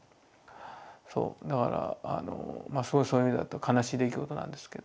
そうだからすごいそういう意味だと悲しい出来事なんですけど。